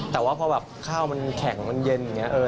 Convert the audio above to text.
แต่ว่าพอแบบข้าวมันแข็งมันเย็นอย่างนี้